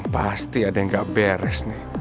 pasti ada yang gak beres nih